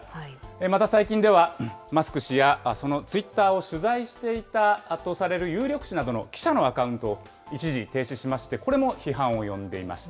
また最近では、マスク氏やそのツイッターを取材していたとされる有力紙などの記者のアカウントを一時停止しまして、これも批判を呼んでいました。